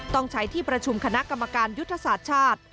ต้องใช้ที่ประชุมคณะกรรมการยุทธศาสตร์ชาติ